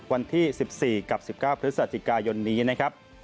วันที่๑๔กับ๑๙พฤศจิกายนนี้นะครับ